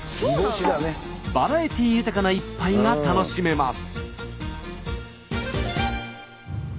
バラエティー豊かな一杯が楽しめます。